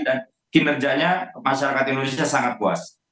dan kinerjanya masyarakat indonesia sangat puas